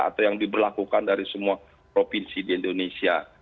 atau yang diberlakukan dari semua provinsi di indonesia